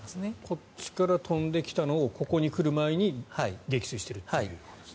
こっちから飛んできたのをここに来る前に撃墜しているということですね。